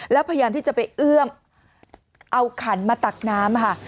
แล้วพยายามที่จะไปเอื้อมเอาขันมาตักน้ำค่ะ